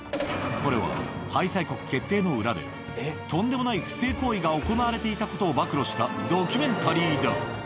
これは開催国決定の裏で、とんでもない不正行為が行われていたことを暴露したドキュメンタリーだ。